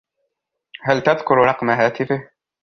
هل تذكر رقم هاتفه ؟